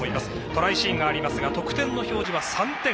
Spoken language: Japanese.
トライシーンがありますが得点の表示は３点。